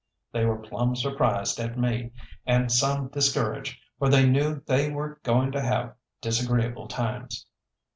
They were plumb surprised at me, and some discouraged, for they knew they were going to have disagreeable times.